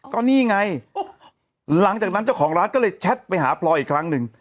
ก็นี่ไงหลังจากนั้นเจ้าของร้านก็เลยแชทไปหาพลอยอีกครั้งหนึ่ง